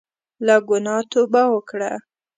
له ګناه توبه وکړه.